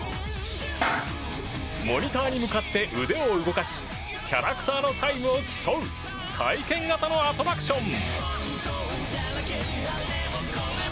モニターに向かって腕を動かしキャラクターのタイムを競う体験型のアトラクション。